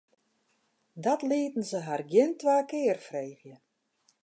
Dat lieten se har gjin twa kear freegje.